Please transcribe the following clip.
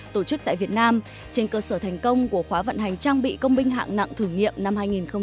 tổ chức tại việt nam trên cơ sở thành công của khóa vận hành trang bị công binh hạng nặng thử nghiệm năm hai nghìn một mươi tám